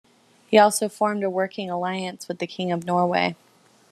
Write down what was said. He also formed a working alliance with the king of Norway.